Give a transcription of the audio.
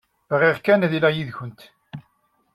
Bɣiɣ kan ad iliɣ yid-went.